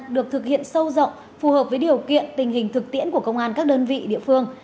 và với nhiều kiện tình hình thực tiễn của công an các đơn vị địa phương